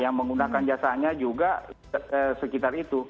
yang menggunakan jasanya juga sekitar itu